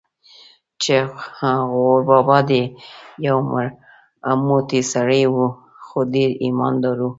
چې غور بابا دې یو موټی سړی و، خو ډېر ایمان دار و.